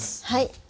はい。